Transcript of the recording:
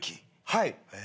はい。